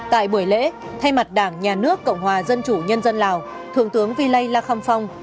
tại buổi lễ thay mặt đảng nhà nước cộng hòa dân chủ nhân dân lào thượng tướng vi lây la kham phong